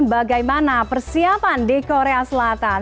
bagaimana persiapan di korea selatan